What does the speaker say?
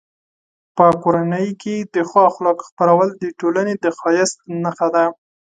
په کورنۍ کې د ښو اخلاقو خپرول د ټولنې د ښایست نښه ده.